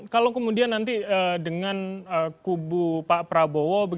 kalau kemudian nanti dengan kubu pak prabowo